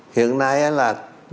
hiện nay là